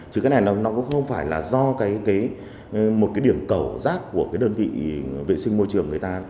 chứ cái này nó cũng không phải là do một cái điểm cầu rác của cái đơn vị vệ sinh môi trường người ta